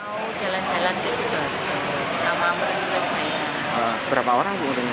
kalau jalan jalan ke situ sama berjalan jalan